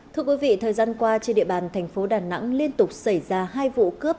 thưa quý vị thời gian qua trên địa bàn thành phố đà nẵng liên tục xảy ra hai vụ cướp